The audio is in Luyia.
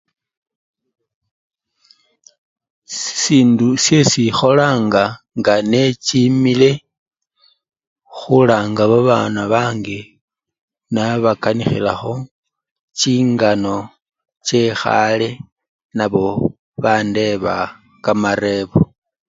Sisindu syesi ekholanga nga nechinile, khulanga babana bange nabakanikhilakho chingano chekhale nabo bandeba kamarebo.